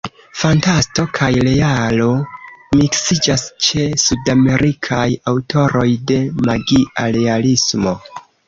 Fantasto kaj realo miksiĝas ĉe Sudamerikaj aŭtoroj de magia realismo.